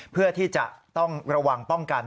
เพื่อที่จะต้องระวังป้องกัน